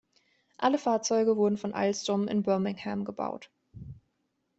Alle Fahrzeuge wurden von Alstom in Birmingham gebaut.